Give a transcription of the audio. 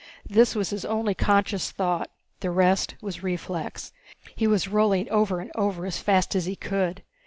This was his only conscious thought, the rest was reflex. He was rolling over and over as fast as he could.